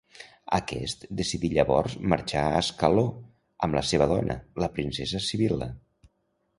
Aquest decidí llavors marxar a Ascaló amb la seva dona, la princesa Sibil·la.